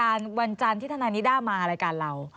อาจารย์ที่ธนานิด้ามารายการเรา